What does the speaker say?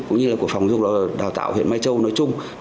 cũng như là của phòng dục đào tạo huyện mai châu nói chung